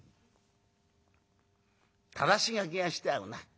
「ただし書きがしてあるな」。